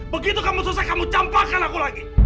begitu kamu selesai kamu campakkan aku lagi